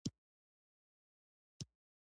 • د باران د څاڅکو لاندې ناست هلک خوند اخیست.